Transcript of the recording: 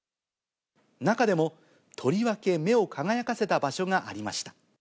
中でも、とりわけ目を輝かせた場所がありました。